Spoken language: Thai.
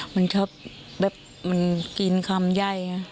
มันชอบแบบมันกินคำใหญ่